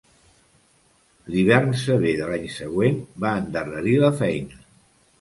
L'hivern sever de l'any següent va endarrerir la feina.